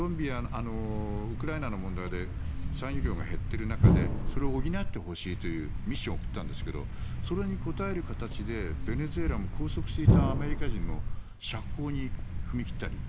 ウクライナの問題で産油量が減っている中でそれを補ってほしいという密使を送ったんですがそれに応える形でベネズエラも拘束していたアメリカ人の釈放に踏み切ったり。